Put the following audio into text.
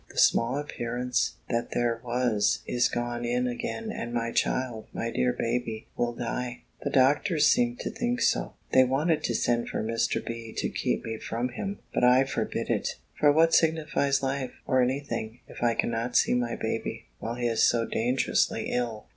the small appearance that there was is gone in again: and my child, my dear baby, will die! The doctors seem to think so. They wanted to send for Mr. B. to keep me from him! But I forbid it! For what signifies life, or any thing, if I cannot see my baby, while he is so dangerously ill!